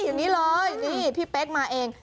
อย่างนี้เลยนี่พี่เป๊กมาเอง